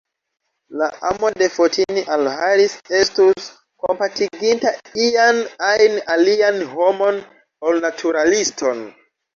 La amo de Fotini al Harris estus kompatiginta ian ajn alian homon, ol naturaliston.